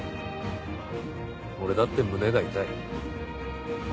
俺だって胸が痛い。